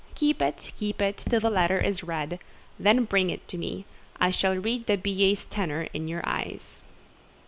"Keep it, keep it, till the letter is read, then bring it me; I shall read the billet's tenor in your eyes."